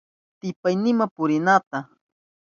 Tipaynima purinata,